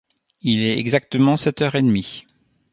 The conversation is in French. Il est exactement sept heures et demie.